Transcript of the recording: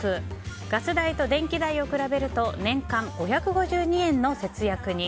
ガス代と電気代を比べると年間５５２円の節約に。